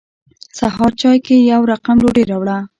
سهار چای کې یې يو رقم ډوډۍ راوړه.